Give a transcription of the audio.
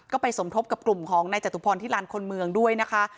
ก็ไปสมทบกับกลุ่มของนายจตุพรที่ลานคนเมืองด้วยนะคะ